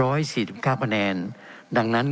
เป็นของสมาชิกสภาพภูมิแทนรัฐรนดร